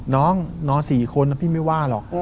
น้องนอน๔คนพี่ไม่ว่าหรอก